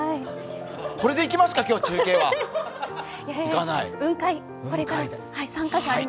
これでいきますか、今日中継はいかない。